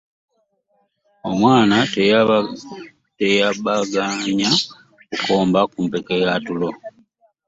Omwana teyabaganya kukomba ku mpeke ya tulo.